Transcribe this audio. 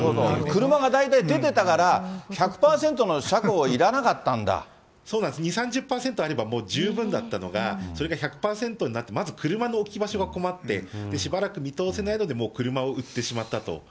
車が大体出てたから、１００％の車庫いらなかったそうなんです、２、３０％あればもう十分だったのか、それが１００％になって、まず車の置き場所が困って、しばらく見通せないので、もう車を売ってしまったと。